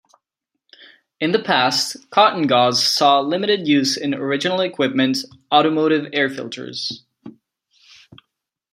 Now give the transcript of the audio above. In the past, cotton gauze saw limited use in original-equipment automotive air filters.